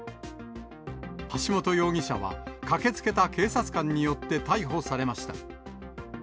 橋本容疑者は、駆けつけた警察官によって逮捕されました。